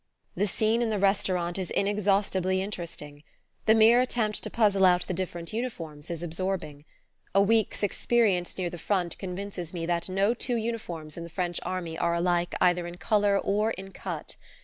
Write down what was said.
The scene in the restaurant is inexhaustibly interesting. The mere attempt to puzzle out the different uniforms is absorbing. A week's experience near the front convinces me that no two uniforms in the French army are alike either in colour or in cut.